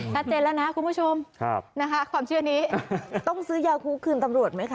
ชัดเจนแล้วนะคุณผู้ชมนะคะความเชื่อนี้ต้องซื้อยาคุกคืนตำรวจไหมคะ